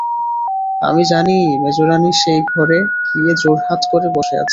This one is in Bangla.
আমি জানি মেজোরানী সেই ঘরে গিয়ে জোড়হাত করে বসে আছেন।